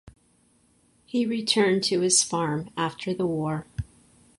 He returned to his farm after the war.